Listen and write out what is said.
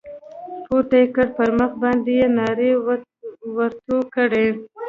پورته يې كړ پر مخ باندې يې ناړې ورتو کړې.